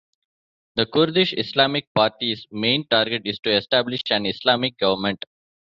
The Kurdish Islamic Party's main target is to establish an Islamic government.